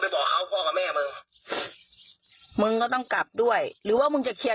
แล้วกูเอาอันเหลือของกูมาจากในนี้เลยนะ